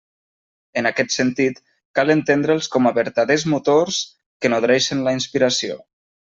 En aquest sentit, cal entendre'ls com a vertaders motors que nodreixen la inspiració.